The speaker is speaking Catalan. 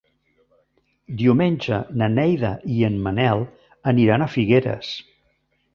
Diumenge na Neida i en Manel aniran a Figueres.